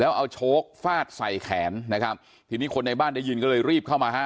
เอาโชคฟาดใส่แขนนะครับทีนี้คนในบ้านได้ยินก็เลยรีบเข้ามาฮะ